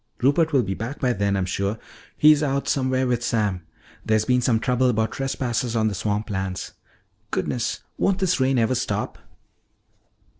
Rupert will be back by then, I'm sure; he's out somewhere with Sam. There's been some trouble about trespassers on the swamp lands. Goodness, won't this rain ever stop?"